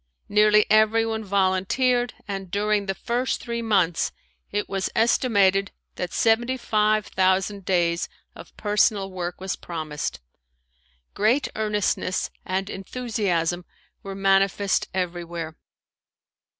Nearly everyone volunteered and during the first three months it was estimated that seventy five thousand days of personal work was promised. Great earnestness and enthusiasm were manifest everywhere.